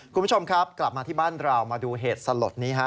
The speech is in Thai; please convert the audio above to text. คุณผู้ชมครับกลับมาที่บ้านเรามาดูเหตุสลดนี้ฮะ